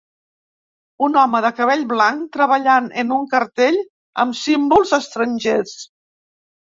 Un home de cabell blanc treballant en un cartell amb símbols estrangers.